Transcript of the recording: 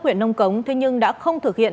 huyện nông cống thế nhưng đã không thực hiện